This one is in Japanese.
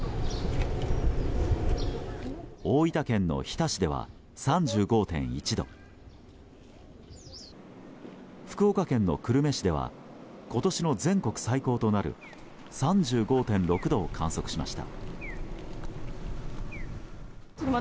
大分県の日田市では３５．１度。福岡県の久留米市では今年の全国最高となる３５．６度を観測しました。